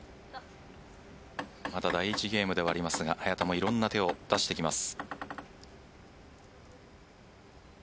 まだ第１ゲームではありますが早田もいろんな手を出してきます。